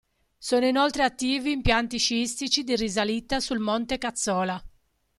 Sono inoltre attivi impianti sciistici di risalita sul monte Cazzola.